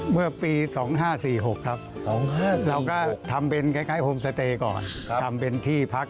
เมื่อปี๒๕๔๖ครับเราก็ทำเป็นคล้ายโฮมสเตย์ก่อนทำเป็นที่พัก